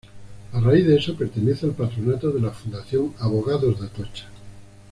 A raíz de eso, pertenece al Patronato de la Fundación Abogados de Atocha.